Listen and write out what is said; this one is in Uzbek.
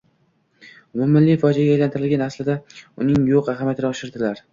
Umummilliy fojiaga aylantirganlar aslida uning yoʻq ahamiyatini oshirdilar